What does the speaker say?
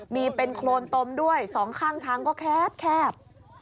มีเป็นโครนตมด้วยสองข้างทางก็แคบ